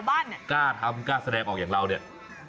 ให้กล้าทำกล้าแสดงออกอย่างเราเนี่ย